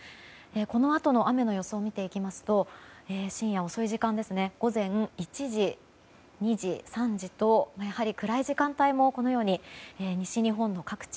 このあとの雨の予想を見ていきますと深夜遅い時間午前１時、２時、３時とやはり暗い時間帯も西日本の各地